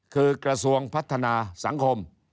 คือกระทรวงพัฒนาสังคม